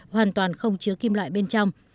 hoàn toàn không chứa kim loại bên trong